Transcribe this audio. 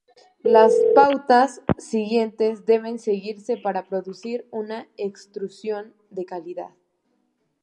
Las pautas siguientes deben seguirse para producir una extrusión de calidad.